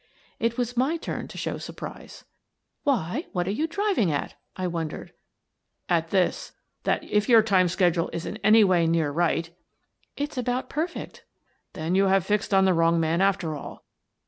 It was my turn to show surprise. " Why, what are you driving at? " I wondered. " At this : that if your time schedule is any way near right —"" It's about perfect." " Then you have fixed on the wrong man, after all.